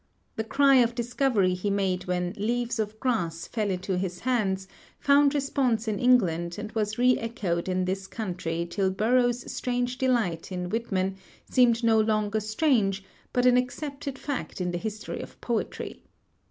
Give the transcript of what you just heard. The cry of discovery he made when 'Leaves of Grass' fell into his hands found response in England and was re echoed in this country till Burroughs's strange delight in Whitman seemed no longer strange, but an accepted fact in the history of poetry.